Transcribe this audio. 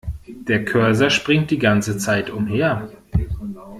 Der Cursor springt die ganze Zeit umher.